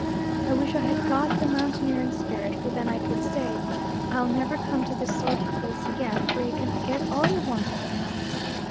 I wish I had got the mountaineering spirit, for then I could say, "I'll never come to this sort of place again, for you can get all you want in the Alps."